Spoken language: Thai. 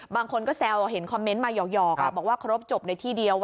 บางคนก็แซวเห็นคอมเมนต์มาหยอกบอกว่าครบจบในที่เดียว